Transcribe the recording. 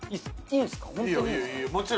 いいんですか？